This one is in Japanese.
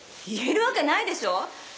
言えるわけないでしょ！